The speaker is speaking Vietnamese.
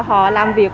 họ làm việc